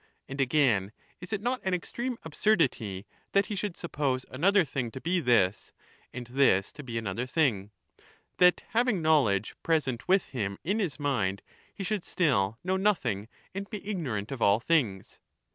And, again, is it not an extreme absurdity that he should suppose another thing to be this, and this to be another thing ;— that, having knowledge present with him in his mind, he should still know nothing and be ignorant of all things